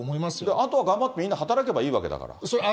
あとは頑張ってみんな働けばいいわけだから。